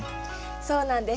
そうなんです。